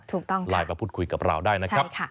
ถูกต้องค่ะใช่ค่ะไลน์มาพูดคุยกับเราได้นะครับ